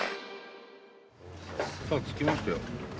さあ着きましたよ。